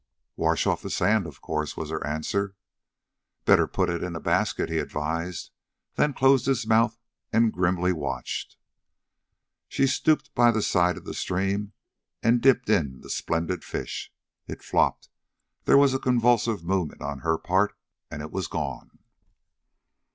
"Wash off the sand, of course," was her answer. "Better put it in the basket," he advised, then closed his mouth and grimly watched. She stooped by the side of the stream and dipped in the splendid fish. It flopped, there was a convulsive movement on her part, and it was gone.